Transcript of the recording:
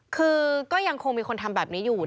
คือก็ยังคงมีคนทำแบบนี้อยู่